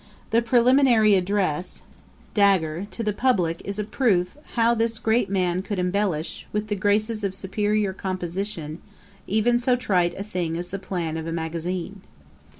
The 'Preliminary Address'[Dagger] to the Publick is a proof how this great man could embellish, with the graces of superiour composition, even so trite a thing as the plan of a magazine.